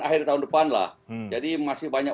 akhir tahun depan lah jadi masih banyak